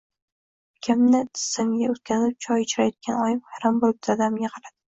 Ukamni tizzasiga o‘tkazib choy ichirayotgan oyim hayron bo‘lib dadamga qaradi.